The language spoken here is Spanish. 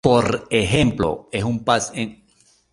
Por ejemplo, en un pasillo entre la vegetación.